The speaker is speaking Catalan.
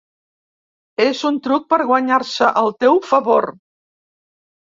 És un truc per guanyar-se el teu favor.